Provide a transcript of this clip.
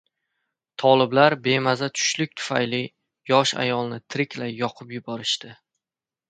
Toliblar bemaza tushlik tufayli yosh ayolni tiriklay yoqib yuborishdi